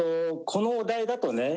このお題だとね